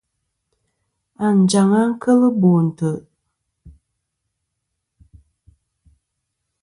Anjaŋ-a kel Bo ntè'.